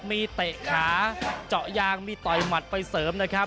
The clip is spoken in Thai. มีเตะขาเจาะยางมีต่อยหมัดไปเสริมนะครับ